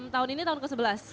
tahun ini tahun ke sebelas